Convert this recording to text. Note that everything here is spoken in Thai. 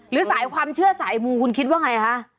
หรือสายความเชื่อสายมูคุณคิดว่าไงคะ